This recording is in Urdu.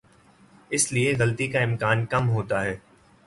اس لیے غلطی کا امکان کم ہوتا ہے۔